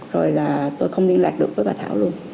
rồi là tôi không liên lạc được với bà thảo luôn